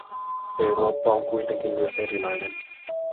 Eurooppa on kuitenkin myös erilainen.